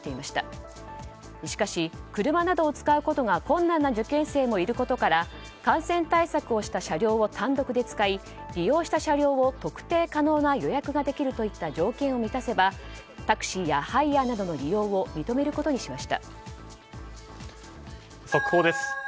しかし、車などを使うことが困難な受験生もいることから感染対策をした車両を単独で使い利用した車両を特定可能な予約ができるといった条件を満たせばタクシーやハイヤーなどの利用を速報です。